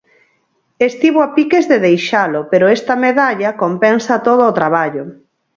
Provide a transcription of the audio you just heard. Estivo a piques de deixalo pero esta medalla compensa todo o traballo.